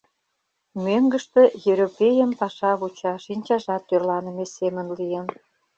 Мӧҥгыштӧ Ерӧпейым паша вуча, шинчажат тӧрланыме семын лийын.